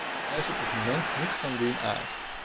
Er is op het moment niets van dien aard.